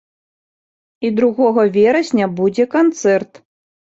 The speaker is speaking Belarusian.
І другога верасня будзе канцэрт.